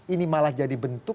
ini malah jadi bentuk